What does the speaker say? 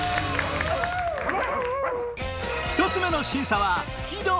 １つ目の審査は喜怒哀